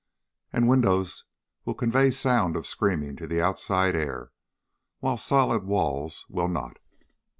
And windows will convey the sound of screaming to the outside air, while solid walls will not.